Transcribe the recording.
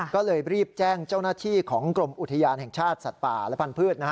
ก็เลยรีบแจ้งเจ้าหน้าที่ของกรมอุทยานแห่งชาติสัตว์ป่าและพันธุ์